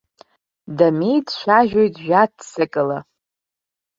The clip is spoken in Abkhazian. Дамеи дцәажәоит жәаццакыла.